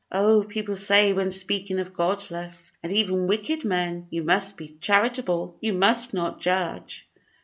Oh, people say, when speaking of Godless, and even wicked men, "You must be charitable, you must not judge."